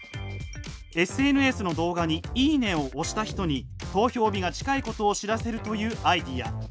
ＳＮＳの動画に「いいね」を押した人に投票日が近いことを知らせるというアイデア。